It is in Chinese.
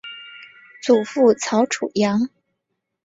祖父曹楚阳。